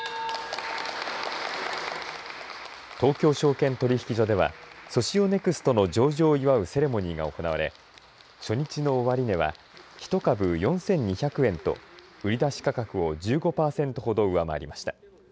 東京証券取引所ではソシオネクストの上場を祝うセレモニーが行われ初日の終値は１株、４２００円と売り出し価格を１５パーセントほど上回りました。